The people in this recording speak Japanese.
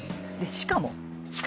しかも？